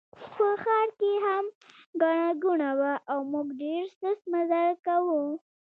په ښار کې هم ګڼه ګوڼه وه او موږ ډېر سست مزل کاوه.